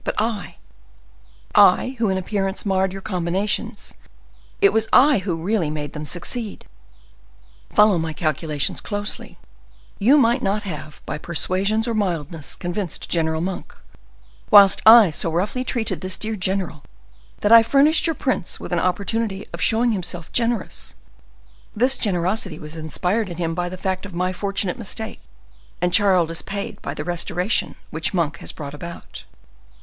But I—I who in appearance marred your combinations, it was I who really made them succeed. Follow my calculations closely; you might not have, by persuasions or mildness, convinced General Monk, whilst I so roughly treated this dear general, that I furnished your prince with an opportunity of showing himself generous: this generosity was inspired in him by the fact of my fortunate mistake, and Charles is paid by the restoration which Monk has brought about."